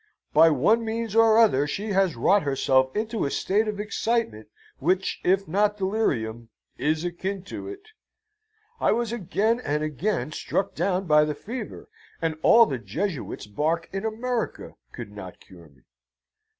By one means or other she has wrought herself into a state of excitement which if not delirium, is akin to it. I was again and again struck down by the fever, and all the Jesuits' bark in America could not cure me.